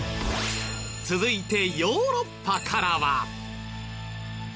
続いてヨーロッパからは。